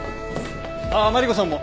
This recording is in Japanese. あっマリコさんも。